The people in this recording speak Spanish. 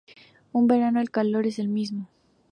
En verano, el calor es el mismo.